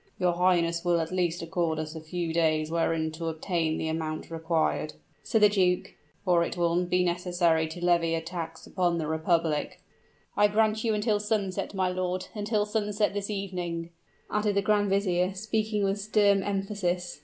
"Your highness will at least accord us a few days wherein to obtain the amount required," said the duke, "for it will be necessary to levy a tax upon the republic!" "I grant you until sunset, my lord until sunset this evening." added the grand vizier, speaking with stern emphasis.